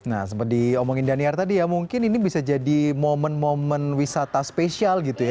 nah seperti diomongin daniar tadi ya mungkin ini bisa jadi momen momen wisata spesial gitu ya